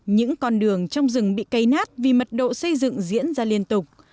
những con đường trong rừng bị cây nát vì mật độ xây dựng diễn ra liên tục